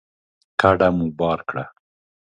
کډه مو بار کړه